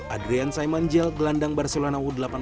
adrian saimanjel gelandang barcelona u delapan belas